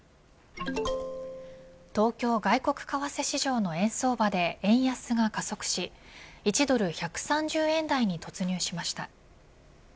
東京外国為替市場の円相場で円安が加速し１ドル１３０円台に突入しました。